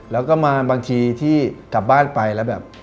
แล้วก็มาบางทีที่กลับบ้านไปแล้วแบบ